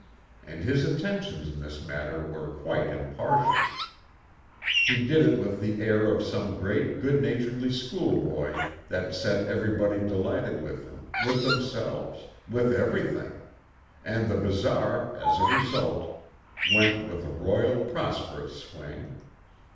And his attentions in this matter were quite impartial. He did it with the air of some great good natured schoolboy that set everybody delighted with him, with themselves, with everything; and the bazaar, as a result, went with a royal, prosperous swing.